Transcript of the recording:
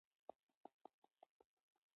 پرمختللي وسلې او جنګونه دوه دي.